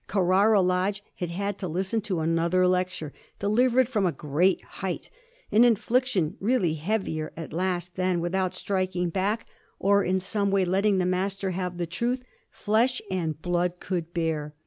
Carrara Lodge had had to listen to another lecture delivered from a great height an infliction really heavier at last than, without striking back or in some way letting the Master have the truth, flesh and blood could bear.